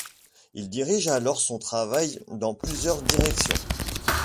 Il dirige alors son travail dans plusieurs directions.